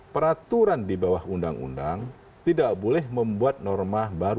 peraturan di bawah undang undang tidak boleh membuat norma baru